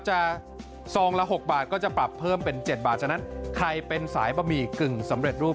จะซองละ๖บาทก็จะปรับเพิ่มเป็น๗บาทฉะนั้นใครเป็นสายบะหมี่กึ่งสำเร็จรูป